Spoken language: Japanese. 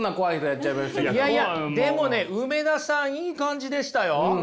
いやいやでもね梅田さんいい感じでしたよ。